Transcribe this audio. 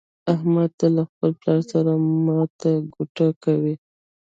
احمد تل له خپل پلار سره ماته ګوډه کوي.